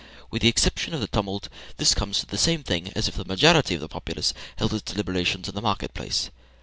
With the exception of the tumult, this comes to the same thing as if the majority of the populace held its deliberations in the market place.